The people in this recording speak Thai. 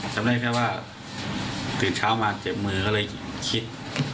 จำได้แค่ว่าตื่นเช้ามาเจ็บมือก็เลยคิด